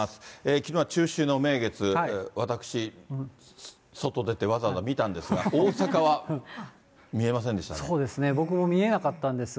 きのうは中秋の名月、私、外出て、わざわざ見たんですが、そうですね、僕も見えなかったんですが。